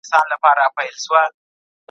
هغه خلک چې ډېره غوښه خوري، زیات ګاز تولیدوي.